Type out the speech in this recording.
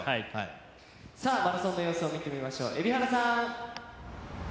さあ、マラソンの様子を見てみましょう、蛯原さん。